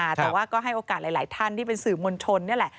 แต่ว่าก็ให้โอกาสหลายท่านที่เป็นสื่อมวลชนนี่แหละ